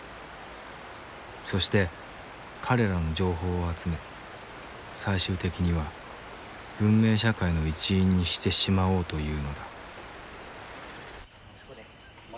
そして彼らの情報を集め最終的には文明社会の一員にしてしまおうというのだ。